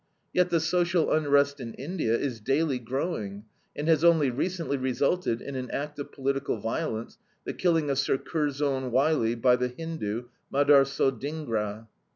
Yet the social unrest in India is daily growing, and has only recently resulted in an act of political violence, the killing of Sir Curzon Wyllie by the Hindu, Madar Sol Dhingra.